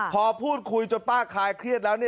พอพูดคุยจนป้าคลายเครียดแล้ว